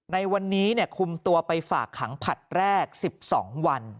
ในวันนี้คุมตัวไปฝากขังผลัดแรก๑๒วัน